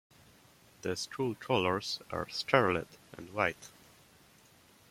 The school colors are Scarlet and White.